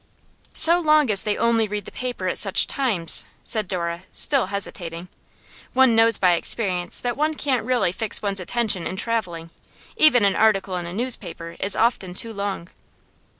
'So long as they only read the paper at such times,' said Dora, still hesitating. 'One knows by experience that one really can't fix one's attention in travelling; even an article in a newspaper is often too long.